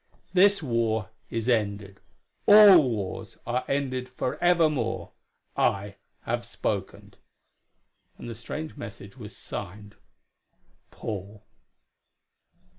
"This war is ended. All wars are ended forevermore. I have spoken." And the strange message was signed "Paul."